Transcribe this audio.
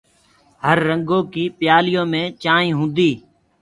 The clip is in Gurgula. هررنگو ڪي پيآليو مين چآنه هوندي